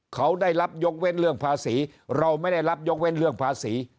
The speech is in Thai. เขาได้รับยกเว้นเรื่องภาษีเราไม่ได้รับยกเว้นเรื่องภาษี